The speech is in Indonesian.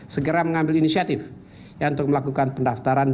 segera mengambil inisiatif untuk melakukan pendaftaran